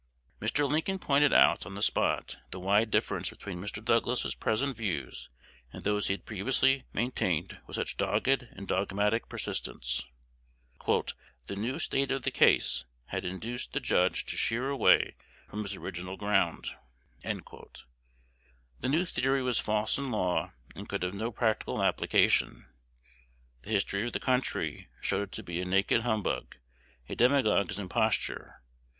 Mr. Lincoln pointed out on the spot the wide difference between Mr. Douglas's present views and those he had previously maintained with such dogged and dogmatic persistence. "The new state of the case" had induced "the Judge to sheer away from his original ground." The new theory was false in law, and could have no practical application. The history of the country showed it to be a naked humbug, a demagogue's imposture.